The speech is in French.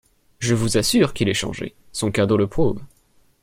Je vous assure qu'il est changé ! Son cadeau le prouve.